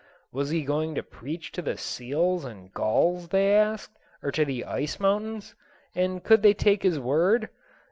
Was he going to preach to the seals and gulls, they asked, or to the ice mountains? And could they take his word?